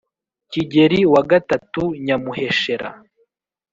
kigeli wa gatatu nyamuheshera